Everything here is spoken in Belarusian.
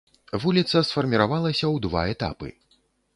Вуліца сфарміравалася ў два этапы.